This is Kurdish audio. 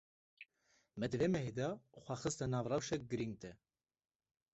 Me di vê mehê de xwe xiste nav rewşek girîng de.